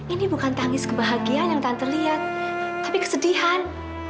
ini bukan tangis kebahagiaan yang tante lihat tapi kesedihan